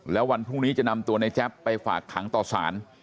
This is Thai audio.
แล้ววันพรุ่งนี้จะนำตัวในแจ๊บไปฝากขังต่อสาร